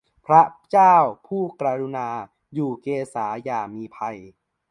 พระเจ้าผู้กรุณา อยู่เกศาอย่ามีภัย